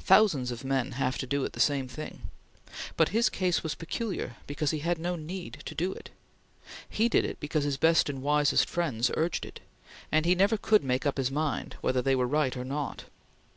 Thousands of men have to do the same thing, but his case was peculiar because he had no need to do it. He did it because his best and wisest friends urged it, and he never could make up his mind whether they were right or not.